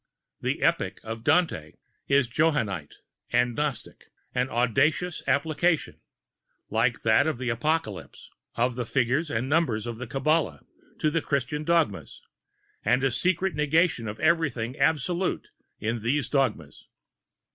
The Epic of Dante is Johannite and Gnostic, an audacious application, like that of the Apocalypse, of the figures and numbers of the Kabalah to the Christian dogmas, and a secret negation of every thing absolute in these dogmas.